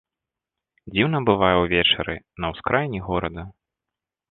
Дзіўна бывае ўвечары на ўскраіне горада.